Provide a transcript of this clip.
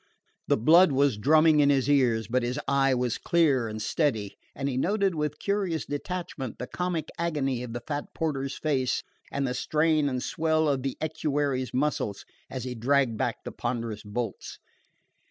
The blood was drumming in his ears, but his eye was clear and steady, and he noted with curious detachment the comic agony of the fat porter's face, and the strain and swell of the equerry's muscles as he dragged back the ponderous bolts.